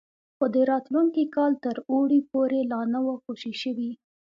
خو د راتلونکي کال تر اوړي پورې لا نه وو خوشي شوي.